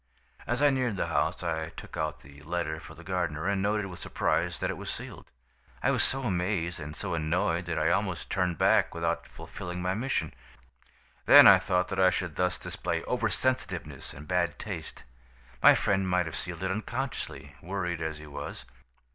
"As I neared the house I took out the letter for the gardener, and noted with surprise that it was sealed. I was so amazed and so annoyed that I almost turned back without fulfilling my mission. Then I thought that I should thus display over sensitiveness and bad taste. My friend might have sealed it unconsciously, worried as he was.